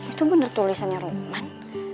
itu bener tulisannya roman